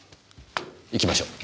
行きましょう。